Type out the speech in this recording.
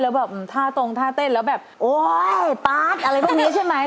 แล้วแบบท่าตรงท่าเต้นแล้วแบบโอ๊ยปาร์ดอะไรพวกนี้ใช่ไหม